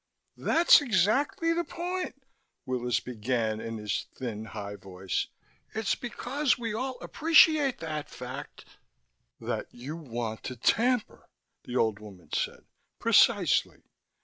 "That's exactly the point," Willis began in his thin, high voice. "It's because we all appreciate that fact " "That you want to tamper," the old woman said. "Precisely."